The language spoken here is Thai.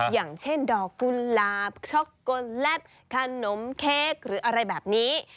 อย่างเช่นดอกกุหลาบช็อกโกแลตขนมเค้กหรืออะไรแบบนี้